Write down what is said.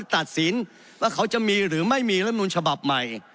ตัดสินว่าเขาจะมีหรือไม่มีรัฐมนุนฉบับใหม่